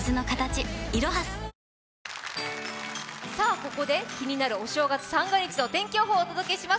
ここで気になるお正月三が日の天気予報をお伝えします。